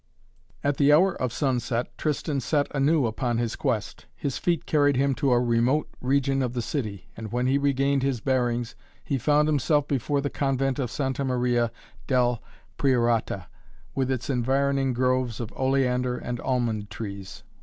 At the hour of sunset Tristan set anew upon his quest. His feet carried him to a remote region of the city, and when he regained his bearings he found himself before the convent of Santa Maria del Priorata with its environing groves of oleander and almond trees.